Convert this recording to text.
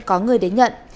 có người đến nhận